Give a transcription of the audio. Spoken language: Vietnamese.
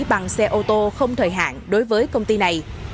bằng xe ô tô không thời hạn đối với công ty này